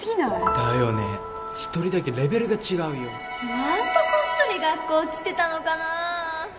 だよね１人だけレベルが違うよまたこっそり学校来てたのかな？